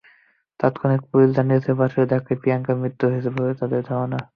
তাৎক্ষণিকভাবে পুলিশ জানিয়েছিল, বাসের ধাক্কায় প্রিয়াঙ্কার মৃত্যু হয়েছে বলে তাদের ধারণা।